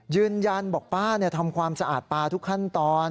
ยืนยันบอกป้าทำความสะอาดปลาทุกขั้นตอน